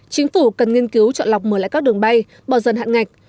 chính phủ cần nghiên cứu chọn lọc mở lại các đường bay bỏ dần hạn ngạch